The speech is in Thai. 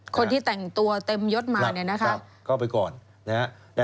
คนที่แต่งตัวเต็มยศมานี่นะคะ